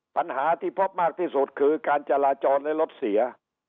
ปัญหาที่พบมากที่สุดคือการจราจรและรถเสีย